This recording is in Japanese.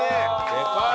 でかい！